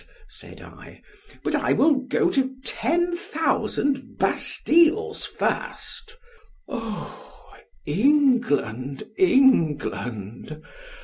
said I—but I will go to ten thousand Bastiles first—— _O England! England!